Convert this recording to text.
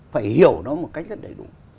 phải hiểu nó một cách rất đầy đủ